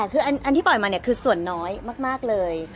คืออันที่ปล่อยมาคือส่วนน้อยมากเลย